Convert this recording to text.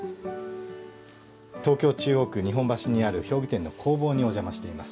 東京・中央区日本橋にある表具店の工房にお邪魔しています。